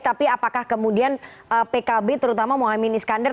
tapi apakah kemudian pkb terutama mohaimin iskandar